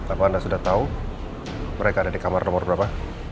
apa anda sudah tahu mereka ada di kamar nomor berapa